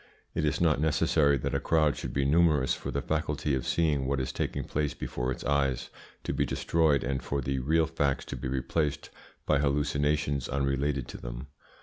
It is not necessary that a crowd should be numerous for the faculty of seeing what is taking place before its eyes to be destroyed and for the real facts to be replaced by hallucinations unrelated to them.